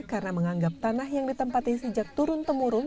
karena menganggap tanah yang ditempatin sejak turun temurun